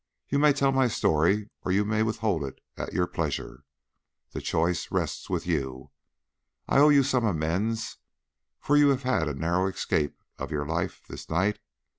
You may tell my story or you may withhold it at your pleasure. The choice rests with you. I owe you some amends, for you have had a narrow escape of your life this night.